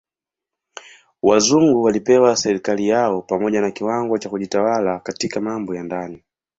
Wazungu walipewa serikali yao pamoja na kiwango cha kujitawala katika mambo ya ndani.